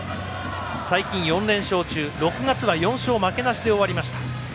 最近４連勝中６月は４勝負けなしで終わりました。